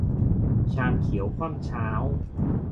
ชามเขียวคว่ำเช้า